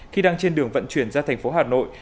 khi đang trên đường vận chuyển ra thành phố hà nội